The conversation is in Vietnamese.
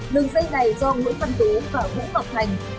đường dây này do nguyễn phân tố và nguyễn ngọc thành